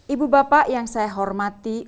ibu bapak yang saya hormati